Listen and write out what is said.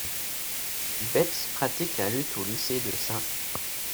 Betts pratique la lutte au lycée de St.